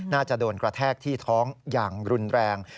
น่าจะโดนกระแทกที่ท้องอย่างรุนแรง